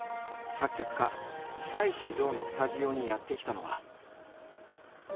作曲家久石譲のスタジオにやって来たのは。